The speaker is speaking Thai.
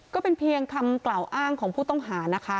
ก็เป็นเพียงคำกล่าวอ้างของผู้ต้องหานะคะ